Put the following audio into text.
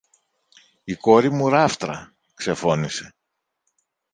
Η κόρη μου ράφτρα! ξεφώνισε.